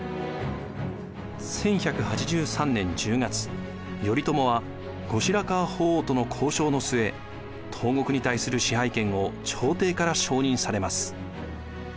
１１８３年１０月頼朝は後白河法皇との交渉の末東国に対する支配権を朝廷から承認されます。